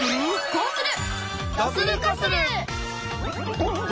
こうする！